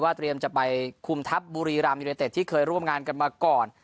เตรียมจะไปคุมทัพบุรีรำยูเนเต็ดที่เคยร่วมงานกันมาก่อน